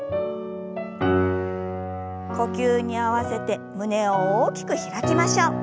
呼吸に合わせて胸を大きく開きましょう。